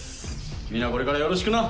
みんなこれからよろしくな！